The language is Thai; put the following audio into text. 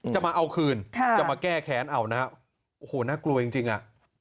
จะมาเอาคืนจะมาแก้แค้นเอานะโอ้โหน่ากลัวจริงอ่ะ